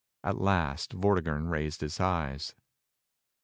At last Vortigern raised his eyes.